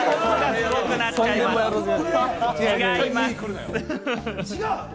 違います。